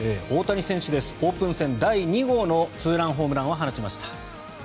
オープン戦第２号のツーランホームランを放ちました。